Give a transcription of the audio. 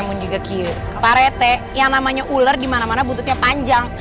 pak rt yang namanya ular dimana mana bututnya panjang